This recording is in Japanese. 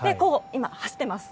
今、走ってます。